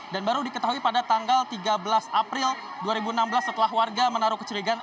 dan baru diketahui pada tanggal tiga belas april dua ribu enam belas setelah warga menaruh kecurigaan